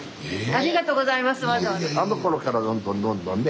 あのころからどんどんどんどんね。